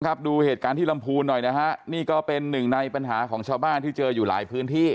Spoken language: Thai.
ดูเหตุการณ์ที่ลำพูนหน่อยนะฮะนี่ก็เป็นหนึ่งในปัญหาของชาวบ้านที่เจออยู่หลายพื้นที่